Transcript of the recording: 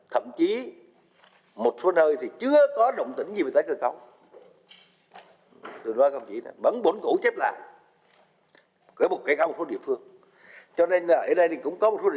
thậm chí một số nơi thì chưa có động tĩnh gì về tái cơ cấu